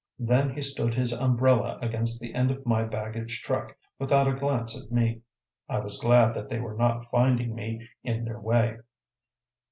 Then he stood his umbrella against the end of my baggage truck, without a glance at me. I was glad that they were not finding me in their way.